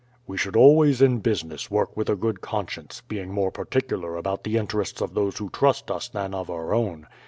"We should always in business work with a good conscience, being more particular about the interests of those who trust us than of our own.